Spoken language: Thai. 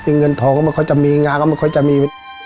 เงินทองก็ไม่ค่อยจะมีงานก็ไม่ค่อยจะมี